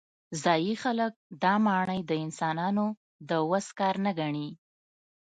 ځايي خلک دا ماڼۍ د انسانانو د وس کار نه ګڼي.